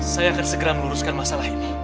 saya akan segera meluruskan masalah ini